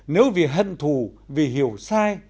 nếu vì hận thù vì hiểu sai